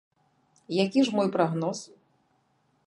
Які ж мой прагноз?